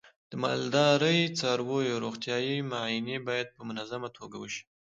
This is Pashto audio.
د مالدارۍ د څارویو روغتیايي معاینې باید په منظمه توګه وشي.